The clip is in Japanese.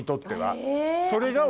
それが。え！